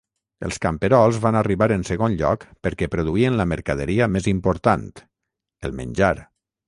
Els camperols van arribar en segon lloc perquè produïen la mercaderia més important, el menjar.